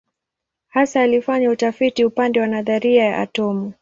Hasa alifanya utafiti upande wa nadharia ya atomu.